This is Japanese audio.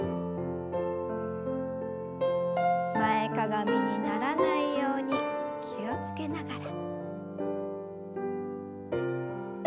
前かがみにならないように気を付けながら。